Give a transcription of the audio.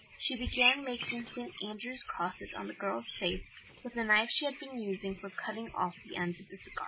She began making St. Andrew's crosses on the girl's face with a knife she had been using for cutting off the ends of the cigars.